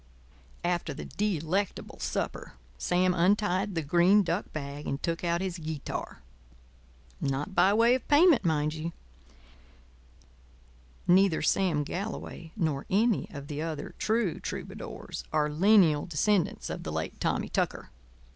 After the delectable supper, Sam untied the green duck bag and took out his guitar. Not by way of payment, mind you—neither Sam Galloway nor any other of the true troubadours are lineal descendants of the late Tommy Tucker.